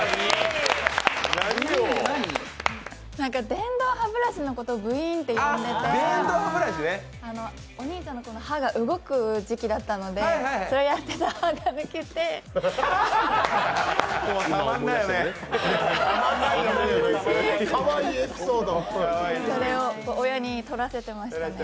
電動歯ブラシのことをぶいーんって呼んでてお兄ちゃんの歯が動く時期だったので、それをやってたら歯が抜けてそれを親に撮らせてましたね。